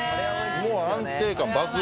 もう安定感抜群。